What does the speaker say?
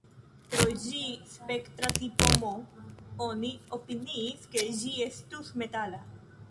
Pro ĝi spektra tipo M, oni opiniis, ke ĝi estus metala.